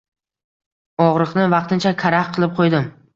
Og’riqni vaqtincha karaxt qilib qo’ydim